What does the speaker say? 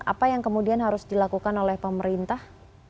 apa yang kemudian harus dilakukan oleh pemerintah